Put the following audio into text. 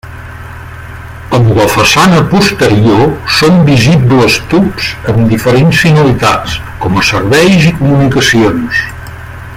En la façana posterior són visibles tubs amb diferents finalitats, com a serveis i comunicacions.